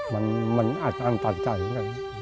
มันอาจอันตัดใจ